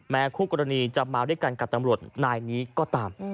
คู่กรณีจะมาด้วยกันกับตำรวจนายนี้ก็ตาม